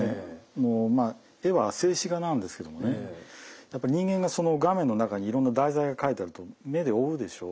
もうまあ絵は静止画なんですけどもねやっぱ人間がその画面の中にいろんな題材が描いてあると目で追うでしょう。